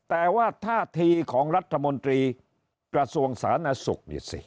แต่ว่าท่าที่ของรัฐมนตรีกระทรวงศาลนสุข